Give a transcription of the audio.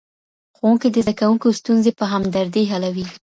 ښوونکی د زدهکوونکو ستونزې په همدردۍ حلوي.